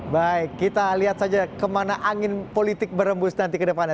baik kita lihat saja kemana angin politik berembus nanti ke depannya